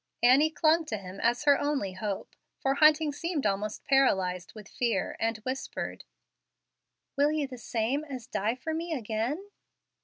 Annie clung to him as her only hope (for Hunting seemed almost paralyzed with fear), and whispered, "Will you the same as die for me again?"